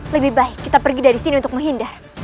lebih baik kita pergi dari sini untuk menghindar